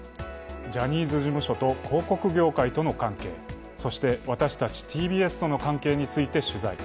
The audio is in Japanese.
ジャニーズ事務所と広告業界との関係、そして私たちＴＢＳとの関係について取材。